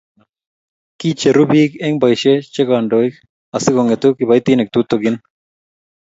kiicheru biik eng' boisie che kandoik asikong'etu kiboitinik tutegen